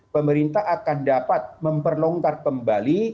pemerintah akan dapat memperlonggar kembali